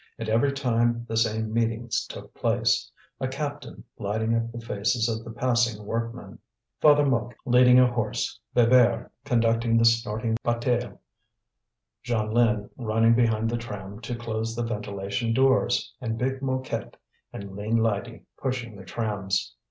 And every time the same meetings took place: a captain lighting up the faces of the passing workmen, Father Mouque leading a horse, Bébert conducting the snorting Bataille, Jeanlin running behind the tram to close the ventilation doors, and big Mouquette and lean Lydie pushing their trams.